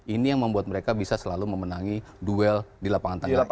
ini yang membuat mereka bisa selalu memenangi duel di lapangan tanggapan